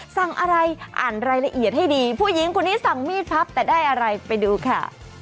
สั่งอะไรอ่านรายละเอียดให้ดีผู้หญิงคนนี้สั่งมีดพับแต่ได้อะไรไปดูค่ะ